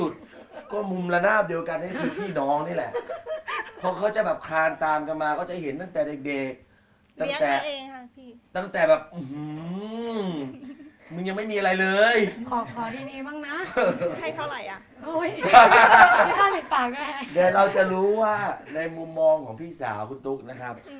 แต่ว่าถ้ายืมตั้งส่วนมากจะยืมพี่สาว